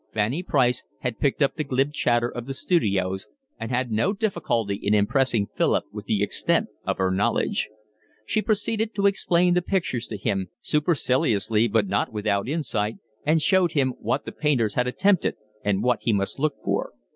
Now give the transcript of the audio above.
Fanny Price had picked up the glib chatter of the studios and had no difficulty in impressing Philip with the extent of her knowledge. She proceeded to explain the pictures to him, superciliously but not without insight, and showed him what the painters had attempted and what he must look for.